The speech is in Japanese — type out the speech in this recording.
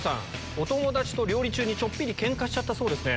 お友達と料理中にちょっぴりケンカしたそうですね。